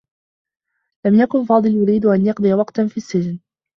لم يكن فاضل يريد أن يقضي وقتا في السّجن.